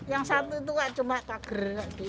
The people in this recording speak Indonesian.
yang satu itu cuma kaget